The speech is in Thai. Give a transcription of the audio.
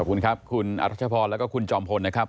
ขอบคุณครับคุณอรัชพรแล้วก็คุณจอมพลนะครับ